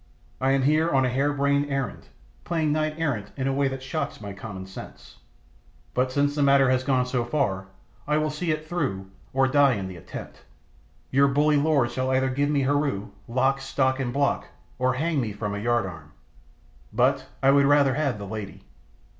I am here on a hare brained errand, playing knight errant in a way that shocks my common sense. But since the matter has gone so far I will see it through, or die in the attempt. Your bully lord shall either give me Heru, stock, lock, and block, or hang me from a yard arm. But I would rather have the lady.